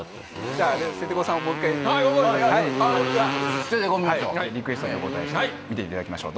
じゃあステテコさんをもう一回分かりましたリクエストにお応えして見ていただきましょう